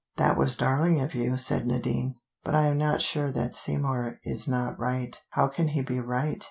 "That was darling of you," said Nadine; "but I am not sure that Seymour is not right." "How can he be right?